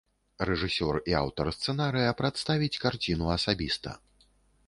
Рэжысёр і аўтар сцэнарыя прадставіць карціну асабіста.